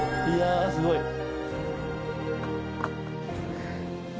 いやぁすごい。